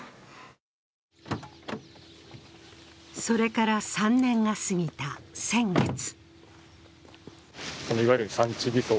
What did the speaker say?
それから３年が過ぎた先月。